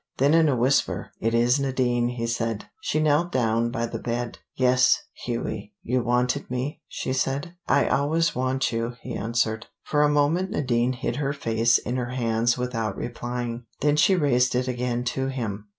Then in a whisper: "It is Nadine," he said. She knelt down by the bed. "Yes, Hughie. You wanted me," she said. "I always want you," he answered. For a moment Nadine hid her face in her hands without replying. Then she raised it again to him.